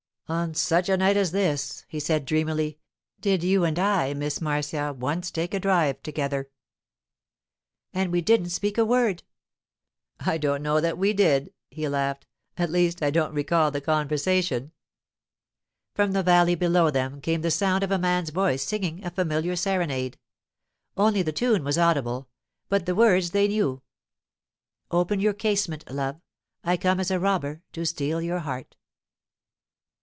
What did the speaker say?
'On such a night as this,' he said dreamily, 'did you and I, Miss Marcia, once take a drive together.' 'And we didn't speak a word!' 'I don't know that we did,' he laughed. 'At least I don't recall the conversation.' From the valley below them there came the sound of a man's voice singing a familiar serenade. Only the tune was audible, but the words they knew: 'Open your casement, love. I come as a robber to steal your heart.